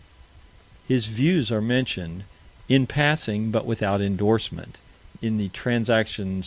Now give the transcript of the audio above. His views are mentioned "in passing, but without endorsement," in the _Trans.